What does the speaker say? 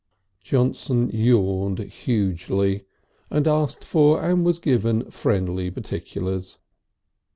Johnson yawned hugely and asked for and was given friendly particulars.